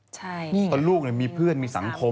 ใช่นี่ไงตอนลูกมีเพื่อนมีสังคม